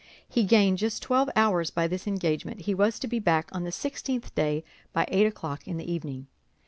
He gained just twelve hours by this engagement; he was to be back on the sixteenth day, by eight o'clock in the evening.